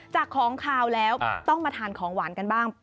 จากของขาวแล้วต้องมาทานของหวานกันบ้าง